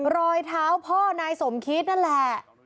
รอยเท้าพ่อนายสมคิดนั่นแหละ